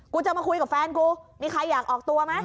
จะมาคุยกับแฟนกูมีใครอยากออกตัวไหม